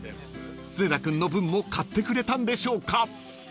［常田君の分も買ってくれたんでしょうか］